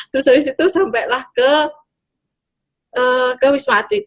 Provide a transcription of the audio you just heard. terus habis itu sampe lah ke wisma atlet